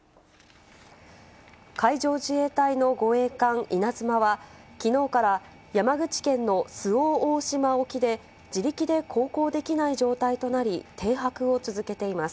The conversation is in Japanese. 海上自衛隊の護衛艦いなづまは、きのうから、山口県の周防大島沖で、自力で航行できない状態となり、停泊を続けています。